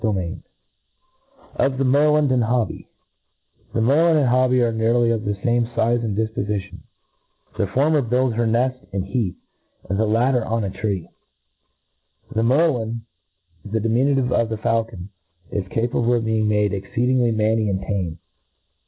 XXIX, Of the Merlin and Hobby * THE merlin and hobby arc nearly of the fame foe and difpofition ; the former builds her ncft in hc^th, and the latter on a tree. The merlina the diminutive of the faulcon, is capable of b? ing made exceedingly manny and tame.